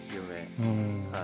はい。